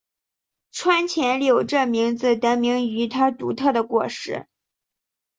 串钱柳这名字得名于它独特的果实。